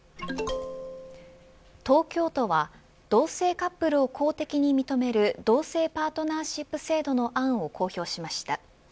東京都は同性カップルを公的に認める同性パートナーシップ制度の案を公表しました。